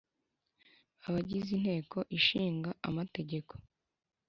Abagize Inteko Ishinga Amategeko